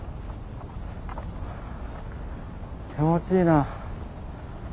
気持ちいいな。